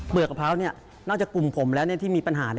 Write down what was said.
กะพร้าวนอกจากกลุ่มผมแล้วที่มีปัญหา